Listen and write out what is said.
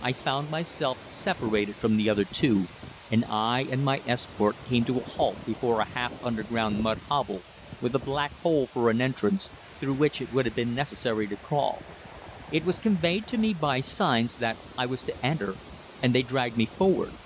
I found myself separated from the other two, and I and my escort came to a halt before a half underground mud hovel with a black hole for an entrance, through which it would have been necessary to crawl. It was conveyed to me by signs that I was to enter, and they dragged me forward.